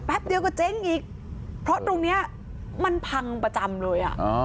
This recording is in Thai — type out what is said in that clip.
แป๊บเดี๋ยวก็เจ๊อีกเพราะตรงเนี้ยมันพังประจำเลยอ่ะอ๋อ